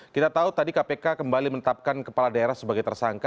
kita tahu tadi kpk kembali menetapkan kepala daerah sebagai tersangka